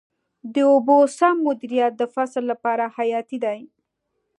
د اوبو سم مدیریت د فصل لپاره حیاتي دی.